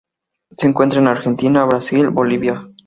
Se encuentra en Argentina, Brasil, Bolivia.